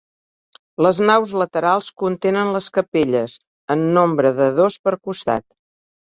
Les naus laterals contenen les capelles, en nombre de dos per costat.